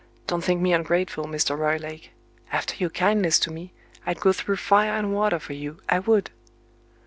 Don't think me ungrateful, Mr. Roylake! After your kindness to me, I'd go through fire and water for you I would!"